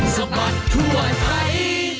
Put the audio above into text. สมัครทั่วไทย